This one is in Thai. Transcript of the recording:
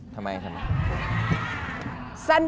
ทำไมทำไม